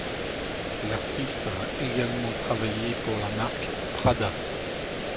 L'artiste a également travaillé pour la marque Prada.